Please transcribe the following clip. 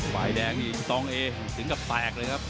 ฝ่ายแดงนี่อินซองเอถึงกับแตกเลยครับ